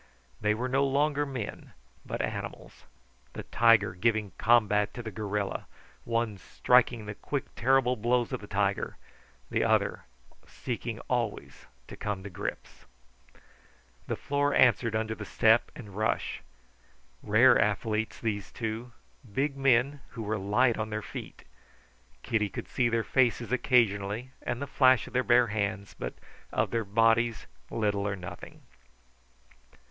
They were no longer men, but animals; the tiger giving combat to the gorilla, one striking the quick, terrible blows of the tiger, the other seeking always to come to grips. The floor answered under the step and rush. Rare athletes, these two; big men who were light on their feet. Kitty could see their faces occasionally and the flash of their bare hands, but of their bodies little or nothing.